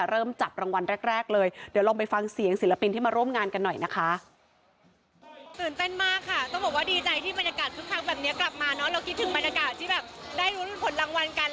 เราก็คิดถึงบรรยากาศที่รุ่นผลรางวัลกัน